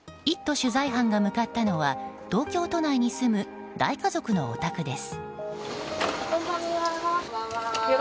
取材班が向かったのは東京都内に住む大家族のお宅です。